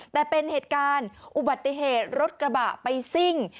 แต่เป็นเหตุการณ์อุบัติเหตุรถกระบะไปซิ่ง